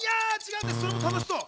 それも楽しそう。